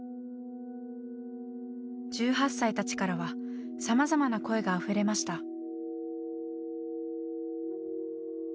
１８歳たちからはさまざまな声があふれました。